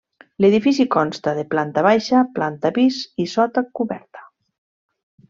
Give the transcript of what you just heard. L'edifici consta de planta baixa, planta pis i sota coberta.